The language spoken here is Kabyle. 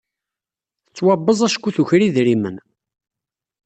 Tettwabeẓ acku tuker idrimen.